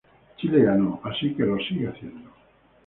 Chile ganó, así que lo sigue haciendo.